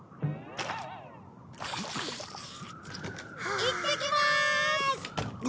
いってきまーす！